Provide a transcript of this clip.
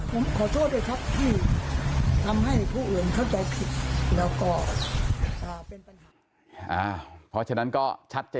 ผมขอโทษด้วยครับที่ทำให้ผู้อื่นเขาเจาะผิด